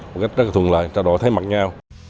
một cách rất là thuần lợi trao đổi thấy mặt nhau